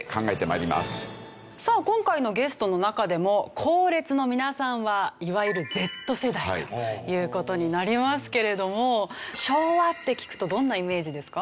さあ今回のゲストの中でも後列の皆さんはいわゆるＺ世代という事になりますけれども昭和って聞くとどんなイメージですか？